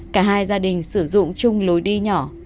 cả hai gia đình sử dụng chung lối đi nhỏ